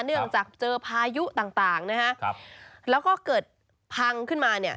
เนื่องจากเจอพายุต่างนะฮะแล้วก็เกิดพังขึ้นมาเนี่ย